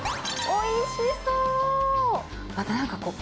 おいしそう！